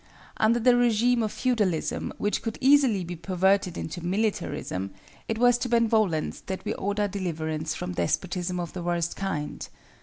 Under the régime of feudalism, which could easily be perverted into militarism, it was to Benevolence that we owed our deliverance from despotism of the worst kind.